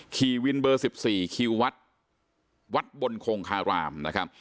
ขี่วินเบอร์๑๔ขี่วัดบนโครงคาราม